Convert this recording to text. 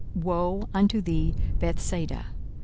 woe unto thee, Bethsaida!